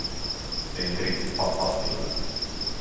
Det är inte riktigt pappas stil.